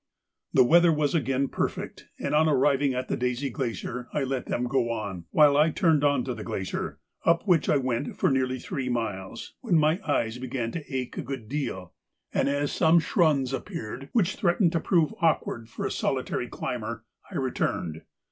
The weather was again perfect, and on arriving at the Daisy Glacier I let them go on, while I turned on to the glacier, up which I went for nearly three miles, when my eyes began to ache a good deal, and, as some schrunds appeared which threatened to prove awkward for a solitary climber, I returned.